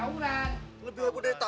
tauran ini lebih heboh dari tauran